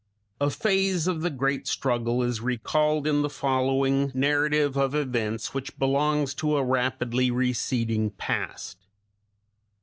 A phase of the great struggle is recalled in the following narrative of events, which belongs to a rapidly receding past.